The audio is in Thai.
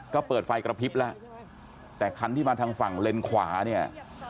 ก็เปิดไฟกระพริบแล้วแต่คันที่มาทางฝั่งเลนขวาเนี่ย